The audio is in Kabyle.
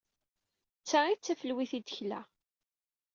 D ta ay d tafelwit ay d-tekla.